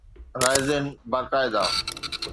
Raisin باقاعده